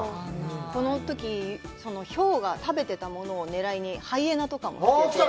このとき、ヒョウが食べていたものを狙いにハイエナとかも来てて。